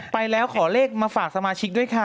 ไปแล้วขอเลขมาฝากสมาชิกด้วยค่ะ